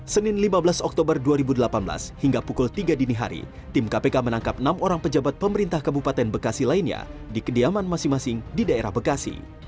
senin lima belas oktober dua ribu delapan belas hingga pukul tiga dini hari tim kpk menangkap enam orang pejabat pemerintah kabupaten bekasi lainnya di kediaman masing masing di daerah bekasi